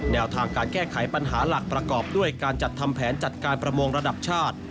แนวทางการแก้ไขปัญหาหลักประกอบด้วยการจัดทำแผนจัดการประมงระดับชาติ